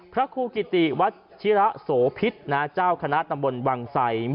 พระครูกิติวัชิระโสพิษเจ้าคณะตำบลวังไส